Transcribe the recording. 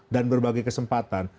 dan berbagai kesempatan